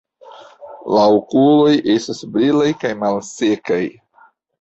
La okuloj estas brilaj kaj malsekaj.